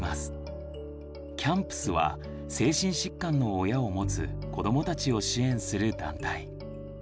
「ＣＡＭＰｓ」は精神疾患の親をもつ子どもたちを支援する団体。